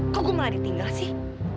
kok gue malah ditinggal sih